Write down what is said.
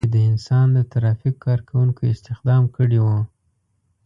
چې د انسان د ترافیک کار کوونکو استخدام کړي وو.